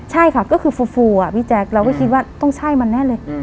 ใช่ค่ะก็คือฟูอ่ะพี่แจ๊คเราก็คิดว่าต้องใช่มันแน่เลย